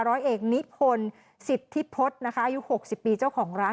ร้อยเอกนิพนธ์สิทธิพฤษนะคะอายุ๖๐ปีเจ้าของร้าน